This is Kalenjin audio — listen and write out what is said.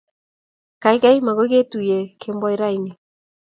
Gaigai, magoy ketuiye kemboi raini